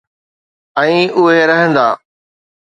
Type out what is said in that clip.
۽ اھي رھندا